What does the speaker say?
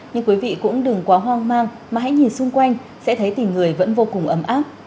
nhưng quý vị cũng đừng quá hoang mang mà hãy nhìn xung quanh sẽ thấy tình người vẫn vô cùng ấm áp